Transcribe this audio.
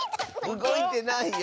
うごいてないよ。